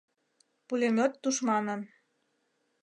Пулемёт тушманын